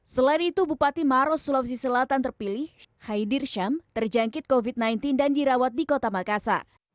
selain itu bupati maros sulawesi selatan terpilih haidir syam terjangkit covid sembilan belas dan dirawat di kota makassar